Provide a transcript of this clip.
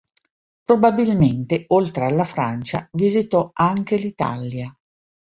Probabilmente, oltre alla Francia, visitò anche l'Italia.